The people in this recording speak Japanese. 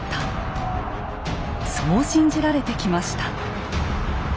そう信じられてきました。